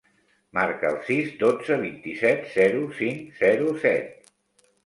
Marca el sis, dotze, vint-i-set, zero, cinc, zero, set.